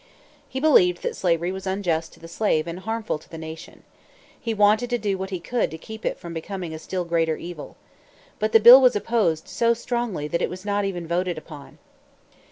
He believed that slavery was unjust to the slave and harmful to the nation. He wanted to do what he could to keep it from becoming a still greater evil. But the bill was opposed so strongly that it was not even voted upon.